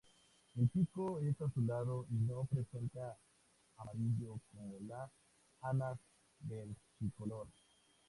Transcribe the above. El pico es azulado y no presenta amarillo como la "Anas versicolor".